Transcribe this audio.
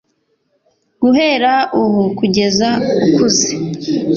guhera ubu kugeza ukuze